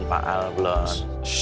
pak al belum